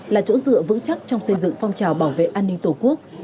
là chỗ dựa vững chắc trong xây dựng phong trào bảo vệ an ninh tổ quốc